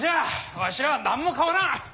わしらは何も変わらん。